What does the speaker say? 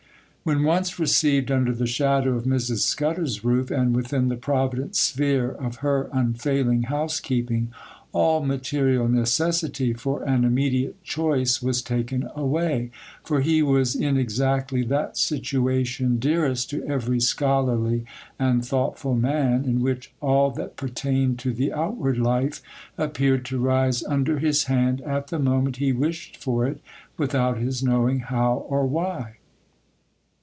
When once received under the shadow of Mrs. Scudder's roof, and within the provident sphere of her unfailing housekeeping, all material necessity for an immediate choice was taken away; for he was in exactly that situation dearest to every scholarly and thoughtful man, in which all that pertained to the outward life appeared to rise under his hand at the moment he wished for it, without his knowing how or why.